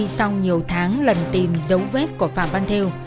trong nhiều tháng lần tìm dấu vết của phạm văn thêu